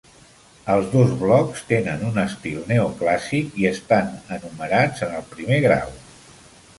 Els dos blocs tenen un estil neoclàssic i estan enumerats en el primer grau.